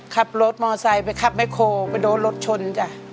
ขับรถมอเตอร์ไซค์ไปขับแมคโครไปดูรถชนจ้ะ